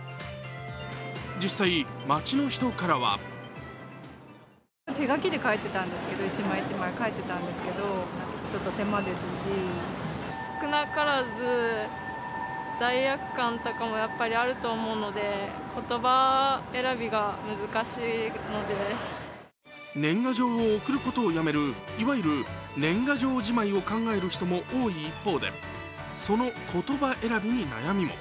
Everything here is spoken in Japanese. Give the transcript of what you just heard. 実際、街の人からは年賀状を送ることを辞めるいわゆる年賀状じまいを考える人も多い一方でその言葉選びに悩みも。